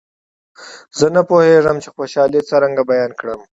زه نه پوهېږم چې خوشالي څرنګه بیان کړم.